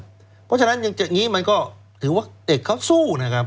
เพราะฉะนั้นอย่างนี้มันก็ถือว่าเด็กเขาสู้นะครับ